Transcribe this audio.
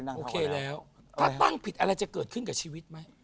ถ้าตั้งผิดอะไรจะเกิดขึ้นกับชีวิตไหม